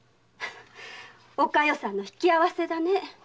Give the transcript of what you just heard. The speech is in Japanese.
お加代さんの引き合わせだね。